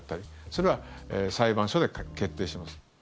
それは裁判所で決定します。